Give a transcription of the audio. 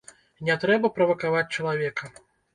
Не трэба правакаваць чалавека.